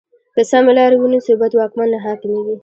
که سمې لارې ونیسو، بد واکمن نه حاکمېږي.